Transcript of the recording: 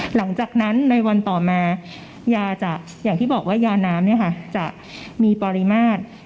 หลังจากนั้นในวันต่อมายาจะอย่างที่บอกว่ายาน้ำจะมีปริมาตร